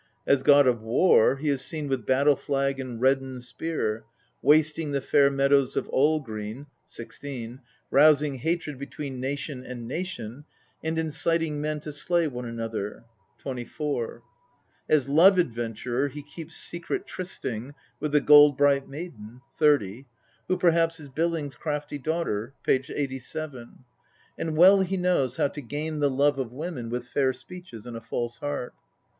As god of war, he is seen with battle flag and reddened spear, wasting the fair meadows of All green (16), rousing hatred between nation and nation, and inciting men to slay one another (24). As love adventurer he keeps secret trysting with the gold bright maiden (30), who perhaps is Billing's crafty daughter (p. 87), and well he knows how to gain the love of women with fair speeches and a false heart.